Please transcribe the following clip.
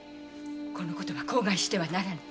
このことは口外してはならぬ。